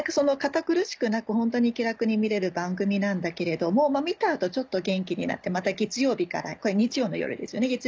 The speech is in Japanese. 堅苦しくなくホントに気楽に見れる番組なんだけれども見た後ちょっと元気になってまた月曜日からこれ日曜の夜ですよね？